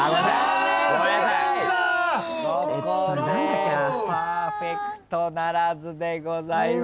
ここでパーフェクトならずでございます。